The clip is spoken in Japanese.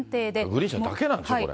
グリーン車だけなんでしょ、これ。